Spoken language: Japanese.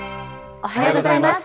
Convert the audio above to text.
おはようございます。